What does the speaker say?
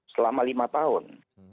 selama lima tahun